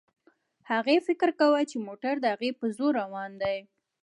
هغې فکر کاوه چې موټر د هغې په زور روان دی.